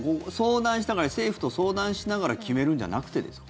政府と相談しながら決めるんじゃなくてですか？